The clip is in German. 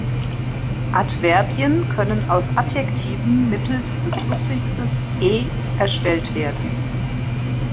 Adverbien können aus Adjektiven mittels des Suffixes -e erstellt werden.